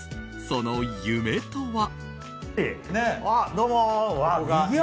その夢とは。